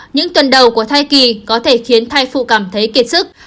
những tuần đầu của thai kỳ có thể khiến thai phụ cảm thấy kiệt sức